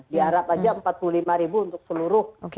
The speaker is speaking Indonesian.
di arab aja empat puluh lima ribu untuk seluruh kwest dobrze